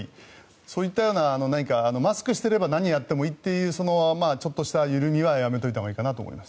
そういった何かマスクしていれば何をやってもいいというそういう緩みはやめておいたほうがいいかなと思います。